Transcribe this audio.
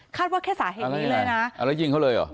ว่าแค่สาเหตุนี้เลยนะเอาแล้วยิงเขาเลยเหรอ